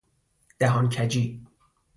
دهان کجی